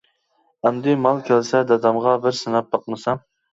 ئەمدى مال كەلسە دادامغا بىر سىناپ باقمىسام.